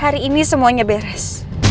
hari ini semuanya beres